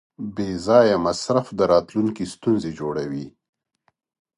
بېځایه مصرف د راتلونکي ستونزې جوړوي.